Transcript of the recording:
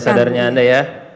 sesadar sadarnya anda ya